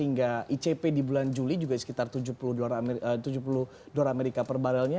hingga icp di bulan juli juga sekitar tujuh puluh dolar amerika per barelnya